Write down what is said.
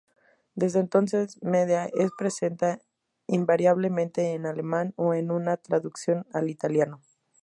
Desde entonces, "Medea" es presenta invariablemente en alemán o en una traducción al italiano.